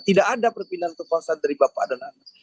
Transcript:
tidak ada perpindahan kekuasaan dari bapak dan anak